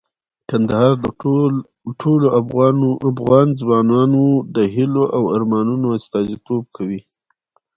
کندهار د ټولو افغان ځوانانو د هیلو او ارمانونو استازیتوب کوي.